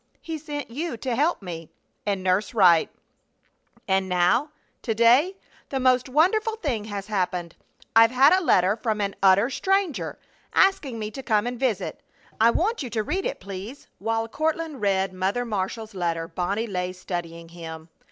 He sent you to help me, and Nurse Wright; and now to day the most wonderful thing has happened! I've had a letter from an utter stranger, asking me to come and visit. I want you to read it, please." While Courtland read Mother Marshall's letter Bonnie lay studying him.